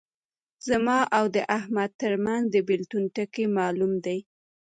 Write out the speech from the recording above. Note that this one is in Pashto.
زما او د احمد ترمنځ د بېلتون ټکی معلوم دی.